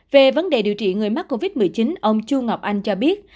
về vấn đề điều trị người mắc covid một mươi chín ông chu ngọc anh cho biết